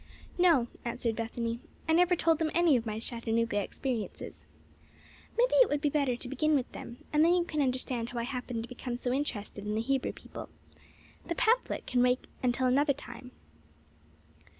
"No," answered Bethany. "I never told them any of my Chattanooga experiences. Maybe it would be better to begin with them, and then you can understand how I happened to become so interested in the Hebrew people. The pamphlet can wait until another time."